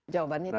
jawabannya itu apa